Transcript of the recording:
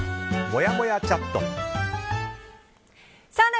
もやもやチャット。